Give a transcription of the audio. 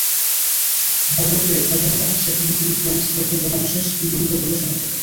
খবর পেয়ে স্বজনেরা সেখানে গিয়ে প্যান্ট দেখে দেহাবশেষ দিলীপের বলে শনাক্ত করেন।